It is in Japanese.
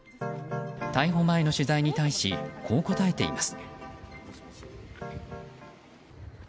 逮捕前の取材に対しこう答えています。